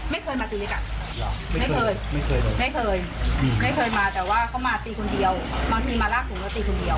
ไม่เคยไม่เคยมาแต่ว่าเขามาตีคนเดียวบางทีมาลากถุงแล้วตีคนเดียว